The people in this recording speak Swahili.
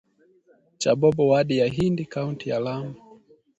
cha Bobo wadi ya Hindi kaunti ya Lamu